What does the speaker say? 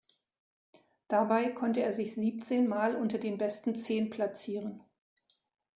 Dabei konnte er sich siebzehn mal unter den besten Zehn platzieren.